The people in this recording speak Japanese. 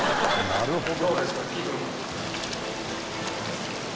“なるほど”？」